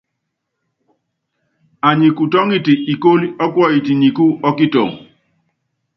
Anyi kutɔ́ŋitɛ ikóló ɔ́kuɔyit nikú ɔ́ kitɔŋ.